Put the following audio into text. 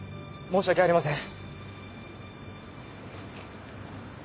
申し訳ありません！